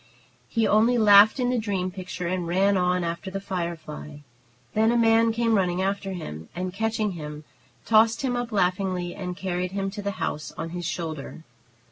He only laughed in the dream picture and ran on after the firefly. Then a man came running after him, and, catching him, tossed him up laughingly, and carried him to the house on his shoulder.